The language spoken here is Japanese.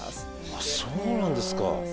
そうなんですか。